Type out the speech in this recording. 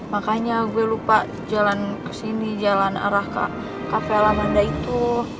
makanya gue lupa jalan kesini jalan arah ke kafe alamanda itu